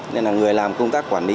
nên người làm công tác quản lý